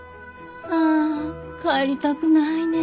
ああ帰りたくないねえ。